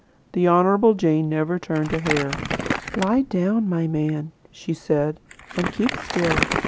The Honourable Jane never turned a hair. 'Lie down, my man,' she said, 'and keep still.'